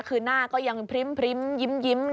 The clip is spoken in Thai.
คือหน้าก็ยังพริ้มยิ้ม